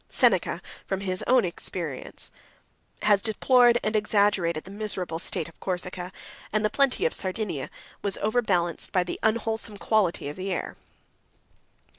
Seneca, from his own experience, has deplored and exaggerated the miserable state of Corsica, 97 and the plenty of Sardinia was overbalanced by the unwholesome quality of the air.